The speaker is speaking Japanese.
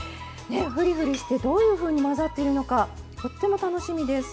ふりふりしてどういうふうに混ざっているのかとっても楽しみです。